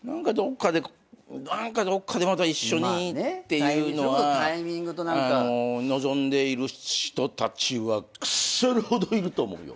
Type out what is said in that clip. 何かどっかでまた一緒にっていうのは望んでいる人たちは腐るほどいると思うよ。